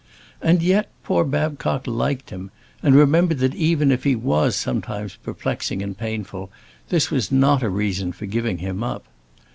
And yet poor Babcock liked him, and remembered that even if he was sometimes perplexing and painful, this was not a reason for giving him up.